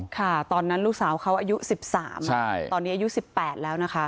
ค่ะตอนนั้นลูกสาวเขาอายุ๑๓ตอนนี้อายุ๑๘แล้วนะคะ